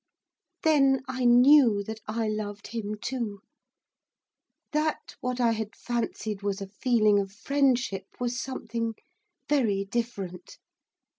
Then I knew that I loved him too. That what I had fancied was a feeling of friendship was something very different.